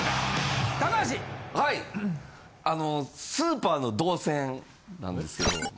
あのスーパーの動線なんですけど。